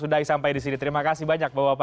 sudah sampai disini terima kasih banyak